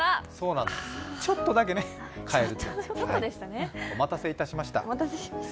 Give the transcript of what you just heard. ちょっとだけね、変える。